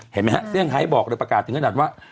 เห็นมั้ยฮะซี่ยังไข้บอกหรือประกาศถึงขนาดว่า